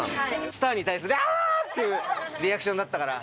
スターに対する「あーっ！」っていうリアクションだったから。